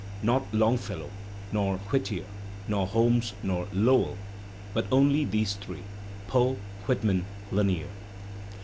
Not Longfellow, nor Whittier, nor Holmes, nor Lowell, but only these three — Poe, Whit man, Lanier.